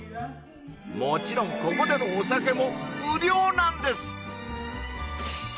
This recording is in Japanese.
もちろんここでのお酒も無料なんです